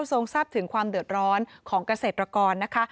ทรงทราบถึงความเดือดร้อนของเกษตรกรนะคะ